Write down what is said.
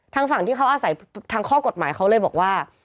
ทางฝั่งที่เขาอาศัยทางข้อกฎหมายเขาเลยบอกว่า